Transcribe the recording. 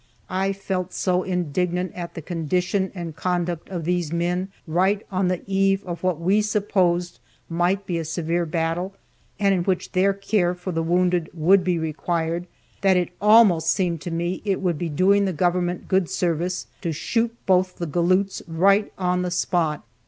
I felt so indignant at the condition and conduct of these men, right on the eve of what we supposed might be a severe battle and in which their care for the wounded would be required, that it almost seemed to me it would be doing the government good service to shoot both the galoots right on the spot.